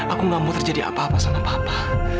aku gak mau terjadi apa apa sama papa